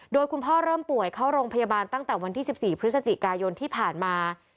โดยคุณพ่อเริ่มป่วยเข้าโรงพยาบาลตั้งแต่วันที่๑๔พฤศจิกายนที่ผ่านมา